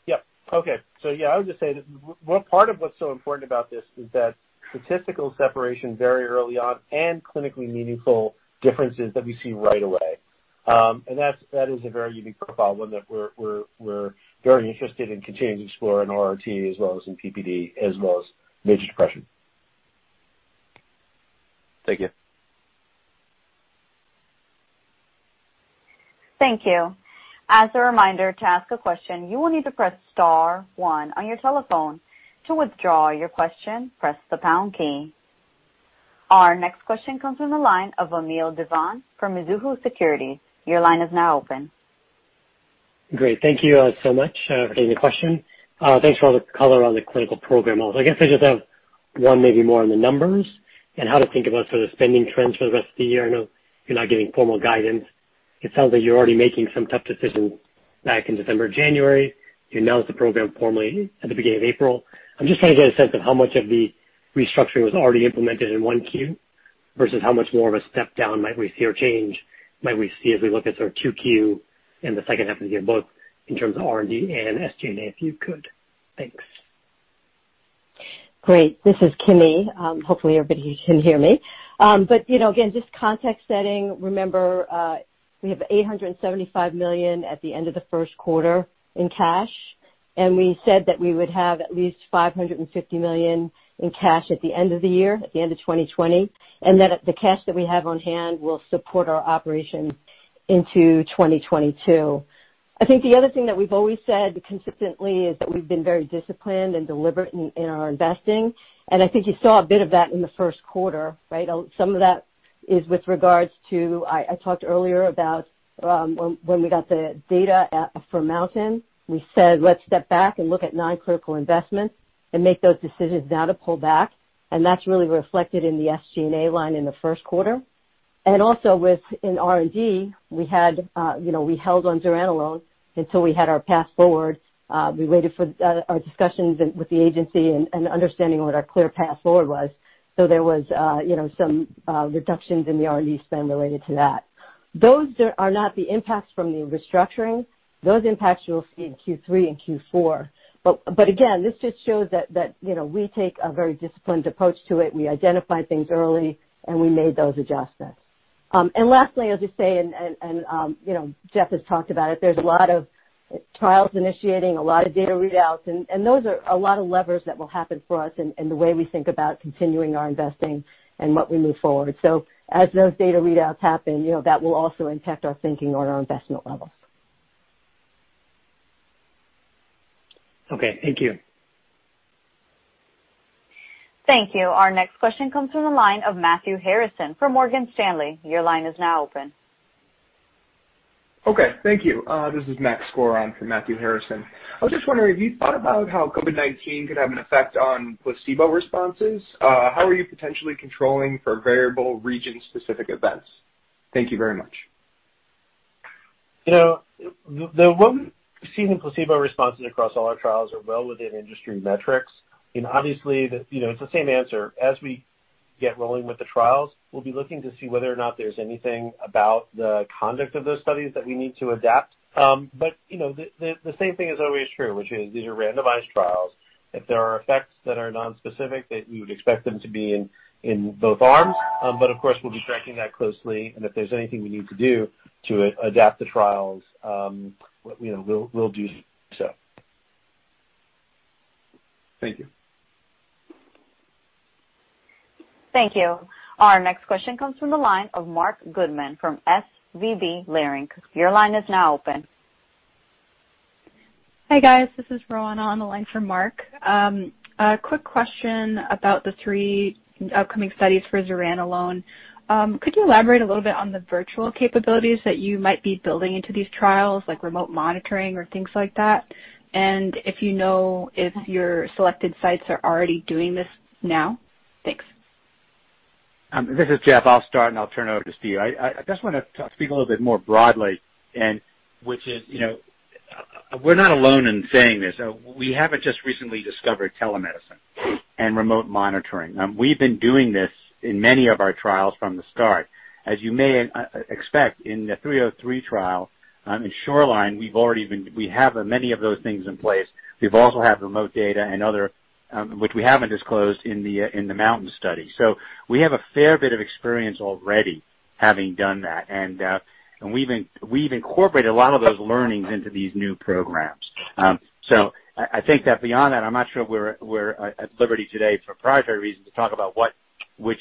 Yeah. Okay. I would just say that part of what's so important about this is that statistical separation very early on and clinically meaningful differences that we see right away. That is a very unique profile, one that we're very interested in continuing to explore in RRT as well as in PPD, as well as major depression. Thank you. Thank you. As a reminder, to ask a question, you will need to press star one on your telephone. To withdraw your question, press the pound key. Our next question comes from the line of Vamil Divan from Mizuho Securities. Your line is now open. Great. Thank you so much for taking the question. Thanks for all the color on the clinical program. Also, I guess I just have one maybe more on the numbers and how to think about sort of spending trends for the rest of the year. I know you're not giving formal guidance. It sounds like you're already making some tough decisions back in December, January. You announced the program formally at the beginning of April. I'm just trying to get a sense of how much of the restructuring was already implemented in 1Q versus how much more of a step down might we see or change might we see as we look at sort of 2Q in the H2 of the year, both in terms of R&D and SG&A, if you could. Thanks. Great. This is Kimi. Hopefully, everybody can hear me. Again, just context setting. Remember, we have $875 million at the end of the Q1 in cash, and we said that we would have at least $550 million in cash at the end of the year, at the end of 2020, and that the cash that we have on hand will support our operations into 2022. I think the other thing that we've always said consistently is that we've been very disciplined and deliberate in our investing, and I think you saw a bit of that in the Q1, right? Some of that is with regards to, I talked earlier about when we got the data for MOUNTAIN. We said let's step back and look at non-critical investments and make those decisions now to pull back. That's really reflected in the SG&A line in the Q1. Also in R&D, we held on zuranolone until we had our path forward. We waited for our discussions with the agency and understanding what our clear path forward was. There was some reductions in the R&D spend related to that. Those are not the impacts from the restructuring. Those impacts you'll see in Q3 and Q4. Again, this just shows that we take a very disciplined approach to it. We identify things early, and we made those adjustments. Lastly, I'll just say, and Jeff has talked about it, there's a lot of trials initiating, a lot of data readouts, and those are a lot of levers that will happen for us and the way we think about continuing our investing and what we move forward. As those data readouts happen, that will also impact our thinking on our investment levels. Okay. Thank you. Thank you. Our next question comes from the line of Matthew Harrison from Morgan Stanley. Your line is now open. Okay. Thank you. This is Max [Coran] for Matthew Harrison. I was just wondering if you thought about how COVID-19 could have an effect on placebo responses. How are you potentially controlling for variable region-specific events? Thank you very much. What we've seen in placebo responses across all our trials are well within industry metrics. Obviously, it's the same answer. As we get rolling with the trials, we'll be looking to see whether or not there's anything about the conduct of those studies that we need to adapt. The same thing is always true, which is these are randomized trials. If there are effects that are nonspecific that you would expect them to be in both arms. Of course, we'll be tracking that closely, and if there's anything we need to do to adapt the trials, we'll do so. Thank you. Thank you. Our next question comes from the line of Marc Goodman from SVB Leerink. Your line is now open. Hi, guys. This is Roanna on the line for Marc. A quick question about the three upcoming studies for zuranolone. Could you elaborate a little bit on the virtual capabilities that you might be building into these trials, like remote monitoring or things like that? If you know if your selected sites are already doing this now. Thanks. This is Jeff. I'll start, and I'll turn it over to Steve. I just want to speak a little bit more broadly and which is, we're not alone in saying this. We haven't just recently discovered telemedicine and remote monitoring. We've been doing this in many of our trials from the start. As you may expect in the 303 trial in SHORELINE, we have many of those things in place. We also have remote data and other, which we haven't disclosed in the MOUNTAIN study. We have a fair bit of experience already having done that. We've incorporated a lot of those learnings into these new programs. I think that beyond that, I'm not sure we're at liberty today for proprietary reasons to talk about which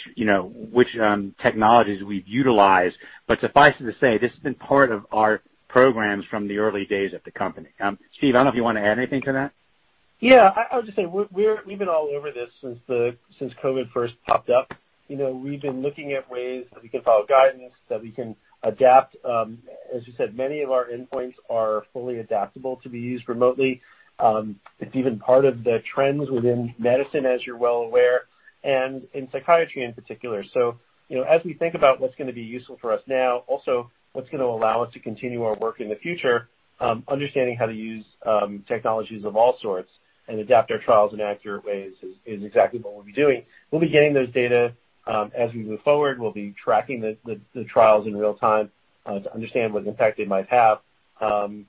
technologies we've utilized. Suffice it to say, this has been part of our programs from the early days of the company. Steve, I don't know if you want to add anything to that. Yeah. I would just say we've been all over this since COVID first popped up. We've been looking at ways that we can follow guidance, that we can adapt. As you said, many of our endpoints are fully adaptable to be used remotely. It's even part of the trends within medicine, as you're well aware, and in psychiatry in particular. As we think about what's going to be useful for us now, also what's going to allow us to continue our work in the future, understanding how to use technologies of all sorts and adapt our trials in accurate ways is exactly what we'll be doing. We'll be getting those data as we move forward. We'll be tracking the trials in real time to understand what impact they might have. From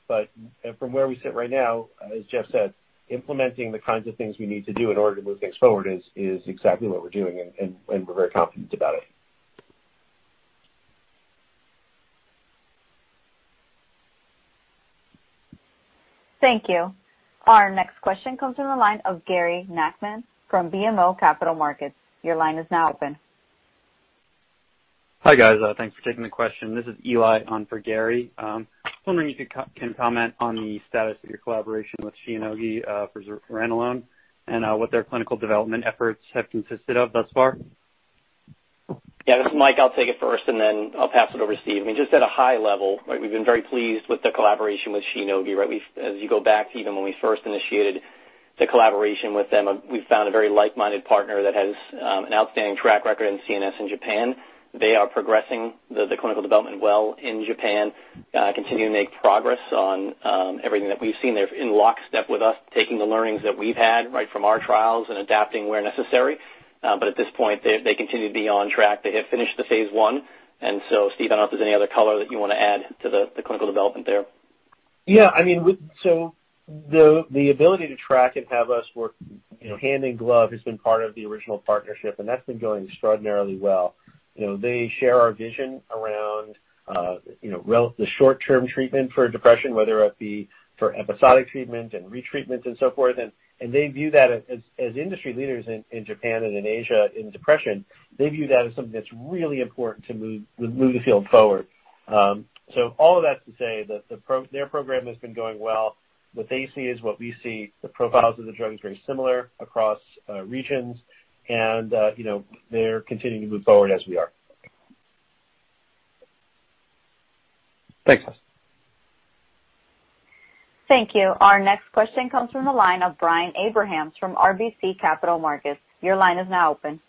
where we sit right now, as Jeff said, implementing the kinds of things we need to do in order to move things forward is exactly what we're doing, and we're very confident about it. Thank you. Our next question comes from the line of Gary Nachman from BMO Capital Markets. Your line is now open. Hi, guys. Thanks for taking the question. This is Eli on for Gary. I was wondering if you can comment on the status of your collaboration with Shionogi for zuranolone and what their clinical development efforts have consisted of thus far. Yeah, this is Mike. I'll take it first, and then I'll pass it over to Steve. I mean, just at a high level, we've been very pleased with the collaboration with Shionogi. As you go back to even when we first initiated the collaboration with them, we found a very like-minded partner that has an outstanding track record in CNS in Japan. They are progressing the clinical development well in Japan, continuing to make progress on everything that we've seen. They're in lockstep with us, taking the learnings that we've had from our trials and adapting where necessary. At this point, they continue to be on track. They have finished the phase I. Steve, I don't know if there's any other color that you want to add to the clinical development there. Yeah. The ability to track and have us work hand in glove has been part of the original partnership, and that's been going extraordinarily well. They share our vision around the short-term treatment for depression, whether it be for episodic treatment and retreatments and so forth. As industry leaders in Japan and in Asia in depression, they view that as something that's really important to move the field forward. All of that's to say that their program has been going well. What they see is what we see. The profiles of the drug is very similar across regions and they're continuing to move forward as we are. Thanks. Thank you. Our next question comes from the line of Brian Abrahams from RBC Capital Markets. Your line is now open.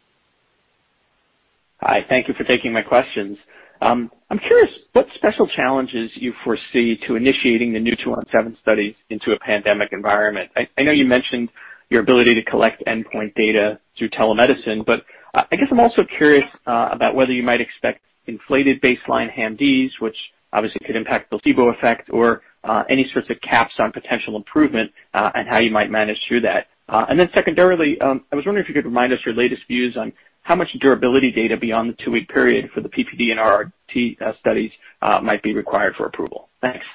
Hi. Thank you for taking my questions. I'm curious what special challenges you foresee to initiating the new 217 studies into a pandemic environment. I know you mentioned your ability to collect endpoint data through telemedicine, but I guess I'm also curious about whether you might expect inflated baseline HAMDs, which obviously could impact placebo effect or any sorts of caps on potential improvement and how you might manage through that. Secondarily, I was wondering if you could remind us your latest views on how much durability data beyond the two-week period for the PPD and RRT studies might be required for approval. Thanks.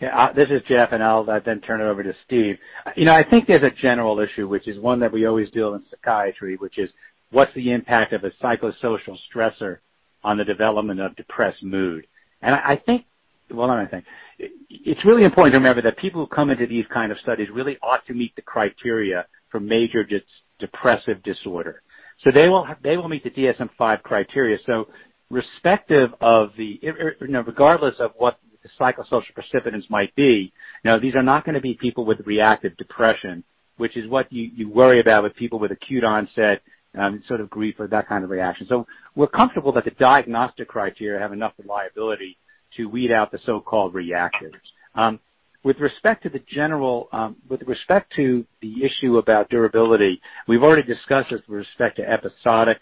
Yeah. This is Jeff, and I'll then turn it over to Steve. I think there's a general issue, which is one that we always deal in psychiatry, which is what's the impact of a psychosocial stressor on the development of depressed mood. I think, well, not I think. It's really important to remember that people who come into these kind of studies really ought to meet the criteria for major depressive disorder. They will meet the DSM-V criteria. Regardless of what the psychosocial precipitants might be, these are not going to be people with reactive depression, which is what you worry about with people with acute onset, sort of grief or that kind of reaction. We're comfortable that the diagnostic criteria have enough reliability to weed out the so-called reactives. With respect to the issue about durability, we've already discussed this with respect to episodic.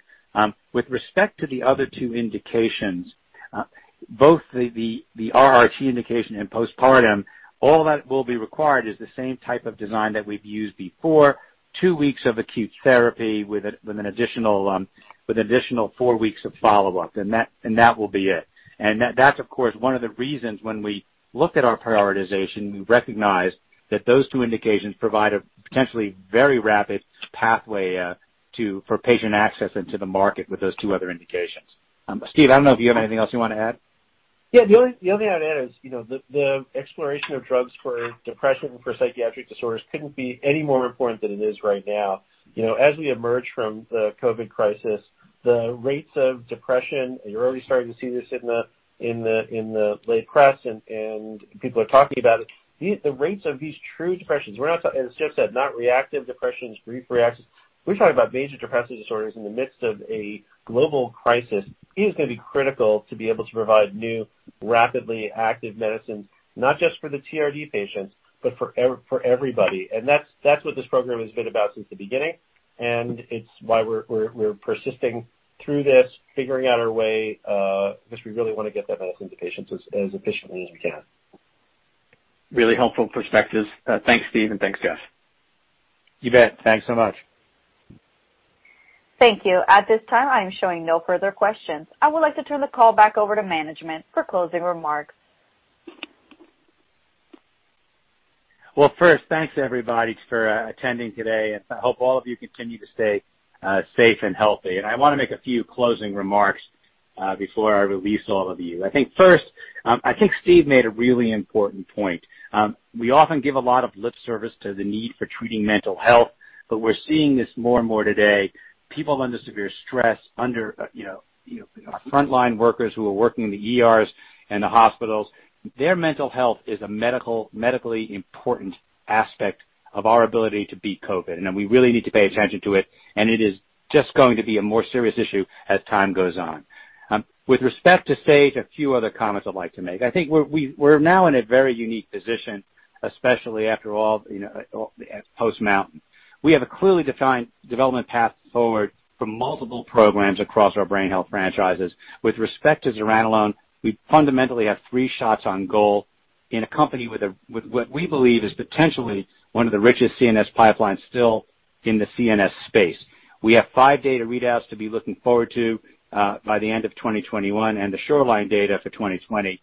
With respect to the other two indications, both the RRT indication and postpartum, all that will be required is the same type of design that we've used before. Two weeks of acute therapy with an additional four weeks of follow-up. That will be it. That's, of course, one of the reasons when we looked at our prioritization, we recognized that those two indications provide a potentially very rapid pathway for patient access into the market with those two other indications. Steve, I don't know if you have anything else you want to add. Yeah. The only thing I'd add is the exploration of drugs for depression and for psychiatric disorders couldn't be any more important than it is right now. As we emerge from the COVID crisis, the rates of depression, you're already starting to see this in the lay press, people are talking about it. The rates of these true depressions. As Jeff said, not reactive depressions, brief reactions. We're talking about major depressive disorders in the midst of a global crisis. It is going to be critical to be able to provide new, rapidly active medicines, not just for the TRD patients, but for everybody. That's what this program has been about since the beginning, it's why we're persisting through this, figuring out our way, because we really want to get that medicine to patients as efficiently as we can. Really helpful perspectives. Thanks, Steve, and thanks, Jeff. You bet. Thanks so much. Thank you. At this time, I am showing no further questions. I would like to turn the call back over to management for closing remarks. Well, first, thanks everybody for attending today. I hope all of you continue to stay safe and healthy. I want to make a few closing remarks before I release all of you. I think first, I think Steve made a really important point. We often give a lot of lip service to the need for treating mental health, but we're seeing this more and more today. People under severe stress, our frontline workers who are working in the ERs and the hospitals, their mental health is a medically important aspect of our ability to beat COVID, and we really need to pay attention to it, and it is just going to be a more serious issue as time goes on. With respect to Sage, a few other comments I'd like to make. I think we're now in a very unique position, especially post MOUNTAIN. We have a clearly defined development path forward for multiple programs across our brain health franchises. With respect to zuranolone, we fundamentally have three shots on goal in a company with what we believe is potentially one of the richest CNS pipelines still in the CNS space. We have five data readouts to be looking forward to by the end of 2021 and the SHORELINE data for 2020.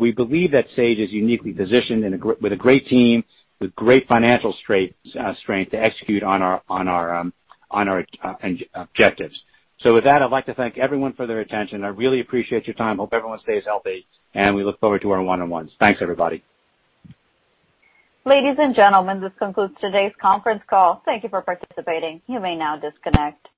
We believe that Sage is uniquely positioned with a great team, with great financial strength to execute on our objectives. With that, I'd like to thank everyone for their attention. I really appreciate your time. Hope everyone stays healthy, and we look forward to our one-on-ones. Thanks, everybody. Ladies and gentlemen, this concludes today's conference call. Thank you for participating. You may now disconnect.